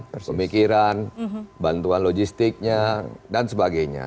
pemikiran bantuan logistiknya dan sebagainya